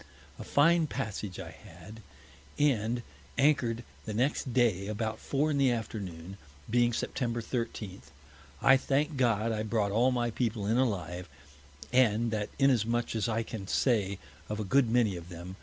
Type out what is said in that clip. A fine Passage I had, and anchor'd the next Day about Four in the Afternoon, being Sept. 13. I thank God I brought all my People in alive, and that is as much I can say of a good many of them.